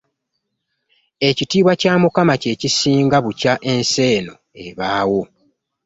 Ekitiibwa kya Mukama kye kisinga bukya ensi eno ebaawo.